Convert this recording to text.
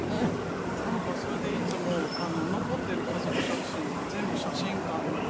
なんかそれでいつも残ってる家族写真は全部写真館で。